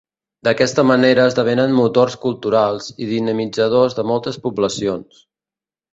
D'aquesta manera esdevenen motors culturals i dinamitzadors de moltes poblacions.